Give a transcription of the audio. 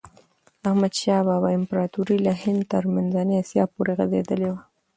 د احمد شاه بابا امپراتوري له هند تر منځنۍ آسیا پورې غځېدلي وه.